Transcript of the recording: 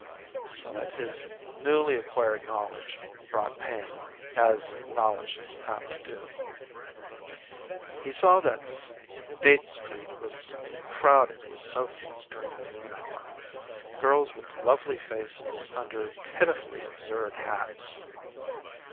Some of his newly acquired knowledge brought pain, as knowledge is apt to do. He saw that State Street was crowded with Sophys during the noon hour; girls with lovely faces under pitifully absurd hats.